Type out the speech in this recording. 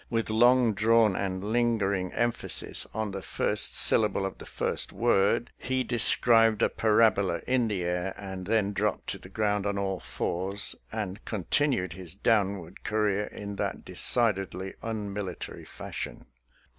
" with long drawn and linger ing emphasis on the first syllable of the first word, he described a parabola in the air and then dropped to the ground on all fours, and con tinued his downward career in that decidedly unmilitary fashion.